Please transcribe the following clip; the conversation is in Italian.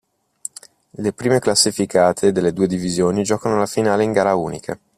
Le prime classificate delle due divisioni giocano la finale in gara unica.